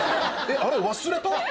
あれ忘れた？